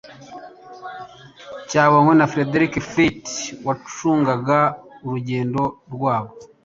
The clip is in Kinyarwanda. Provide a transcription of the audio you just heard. cyabonywe na Frederick Fleet wacungaga urugendo rwabwo